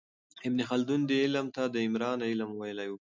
ابن خلدون دې علم ته د عمران علم ویلی و.